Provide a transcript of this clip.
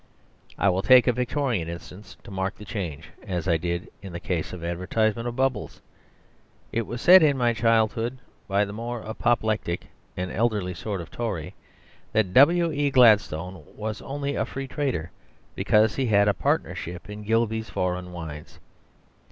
I will take a Victorian instance to mark the change; as I did in the case of the advertisement of "Bubbles." It was said in my childhood, by the more apoplectic and elderly sort of Tory, that W. E. Gladstone was only a Free Trader because he had a partnership in Gilbey's foreign wines.